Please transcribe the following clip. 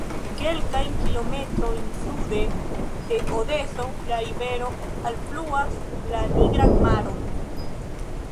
Kelkajn kilometrojn sude de Odeso la rivero alfluas la Nigran Maron.